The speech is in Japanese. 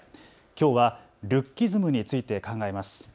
きょうはルッキズムについて考えます。